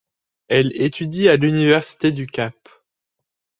Elle étudie à l'université du Cap.